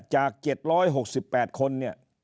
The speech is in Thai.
จาก๗๖๘คนเนี่ย